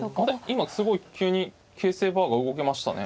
今すごい急に形勢バーが動きましたね。